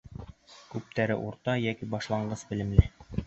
Күптәре урта йәки башланғыс белемле.